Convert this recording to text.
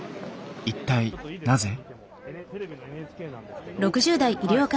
一体なぜ？